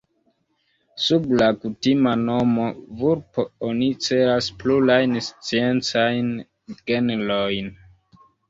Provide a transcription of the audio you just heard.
Sub la kutima nomo "vulpo" oni celas plurajn sciencajn genrojn.